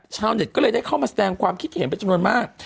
ชาวเน็ตก็เลยได้เข้ามาแสดงความคิดเห็นเป็นจำนวนมาก